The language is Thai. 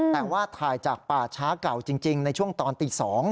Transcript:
แต่ว่าถ่ายจากป่าช้าเก่าจริงในช่วงตอนตี๒